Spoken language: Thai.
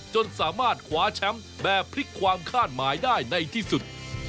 จนสามารถคว้าแชมป์แบบพลิกความคาดหมายได้ในที่สุด